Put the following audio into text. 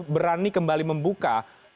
berani kembali membuka